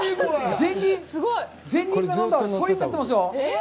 前輪がなんか、そりになってますよ！